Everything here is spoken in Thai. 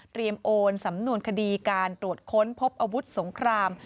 โอนสำนวนคดีการตรวจค้นพบอาวุธสงคราม